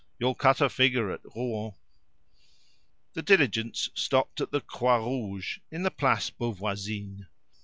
You'll cut a figure at Rouen." The diligence stopped at the "Croix Rouge" in the Place Beauvoisine.